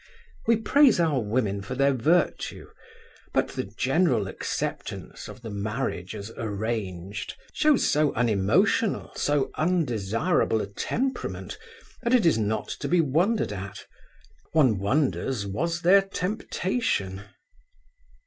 We praise our women for their virtue, but the general acceptance of the marriage as arranged shows so unemotional, so undesirable a temperament, that it is not to be wondered at. One wonders was there temptation.